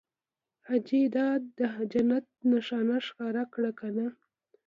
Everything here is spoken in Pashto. حاجي دادا د جنت نښانه ښکاره کړه که نه؟